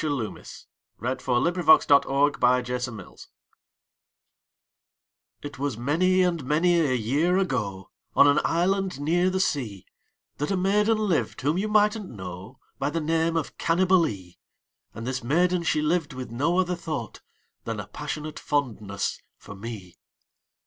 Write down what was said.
V^ Unknown, } 632 Parody A POE 'EM OF PASSION It was many and many a year ago, On an island near the sea, That a maiden lived whom you migbtnH know By the name of Cannibalee; And this maiden she lived with no other thought Than a passionate fondness for me.